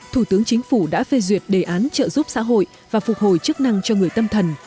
thủ tướng chính phủ đã phê duyệt đề án trợ giúp xã hội và phục hồi chức năng cho người tâm thần